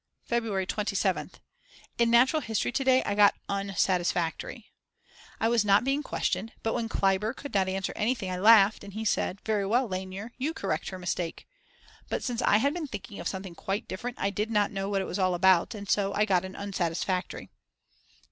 February 27th. In Natural History to day I got Unsatisfactory. I was not being questioned, but when Klaiber could not answer anything I laughed, and he said: Very well, Lainer, you correct her mistake. But since I had been thinking of something quite different I did not know what it was all about, and so I got an Unsatisfactory.